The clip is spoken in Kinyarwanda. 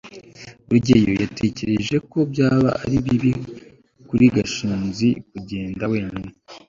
rugeyo yatekereje ko byaba ari bibi kuri gashinzi kugenda wenyine